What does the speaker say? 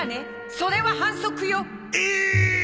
それは反則よ！」ええーっ！！